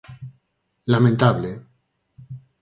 ¡Lamentable!